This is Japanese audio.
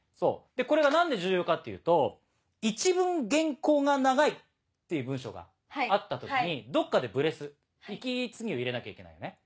これが何で重要かっていうと１文原稿が長いっていう文章があった時にどっかでブレス息継ぎを入れなきゃいけないよね。